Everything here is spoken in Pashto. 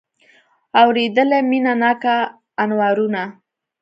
اورېدله مینه ناکه انوارونه